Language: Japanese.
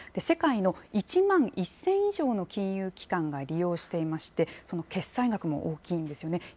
世界の１万１０００以上の金融機関が利用していまして、その決済額も大きいんですよね。